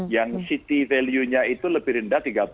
yang city value nya itu lebih rendah tiga puluh